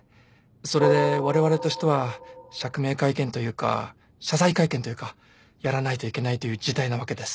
それでわれわれとしては釈明会見というか謝罪会見というかやらないといけないという事態なわけです。